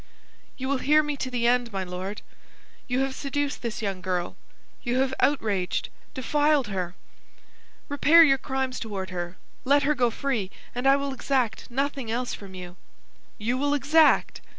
"You will hear me to the end, my Lord. You have seduced this young girl; you have outraged, defiled her. Repair your crimes toward her; let her go free, and I will exact nothing else from you." "You will exact!"